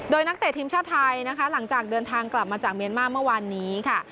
โดยนักเตะทีมชาติไทยนะคะหลังจากเดินทางกลับมาจากเมียนมาร์เมื่อวานนี้ค่ะ